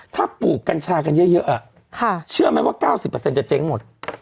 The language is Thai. ถ้าปลูกกันชากันเยอะเยอะอ่ะค่ะเชื่อไหมว่าเก้าสิบเปอร์เซ็นต์จะเจ๊งหมด